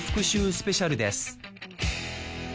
スペシャルです